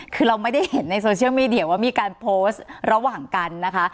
คือเราไม่ได้เห็นในโซเชียลมีเดียว่ามีการโพสต์ระหว่างกันนะคะ